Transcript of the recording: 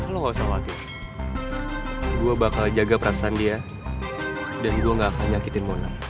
lo gak usah khawatir gue bakal jaga perasaan dia dan gue gak akan nyakitin mona